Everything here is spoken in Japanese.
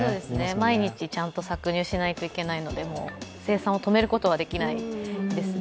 毎日搾乳しないといけないので生産を止めることはできないですね。